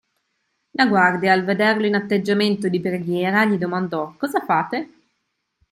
La guardia al vederlo in atteggiamento di preghiera gli domandò:"Cosa fate?"